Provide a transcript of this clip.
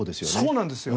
そうなんですよ。